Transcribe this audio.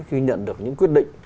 khi nhận được những quyết định